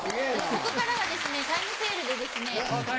ここからはタイムセールでですね